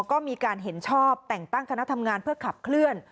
ก็มีการเห็นชอบแต่งตั้งคณะทำงานเพื่อขับเคลื่อน